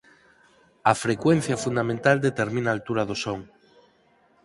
A frecuencia fundamental determina a altura do son.